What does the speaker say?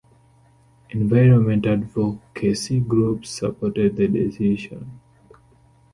Environment advocacy groups supported the decision.